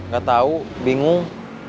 gak tahu bingung